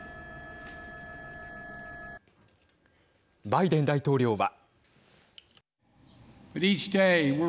バイデン大統領は。